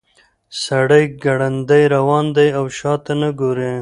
سړی ګړندی روان دی او شاته نه ګوري.